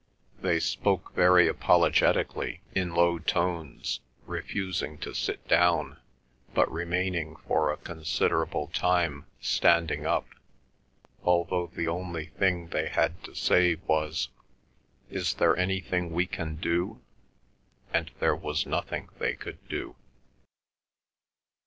They spoke very apologetically in low tones, refusing to sit down, but remaining for a considerable time standing up, although the only thing they had to say was, "Is there anything we can do?" and there was nothing they could do.